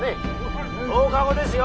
１０日後ですよ。